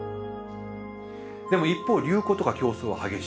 でも一方流行とか競争は激しいですね。